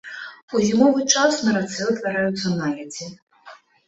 У зімовы час на рацэ ўтвараюцца наледзі.